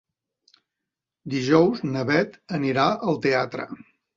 Dijous na Beth anirà al teatre.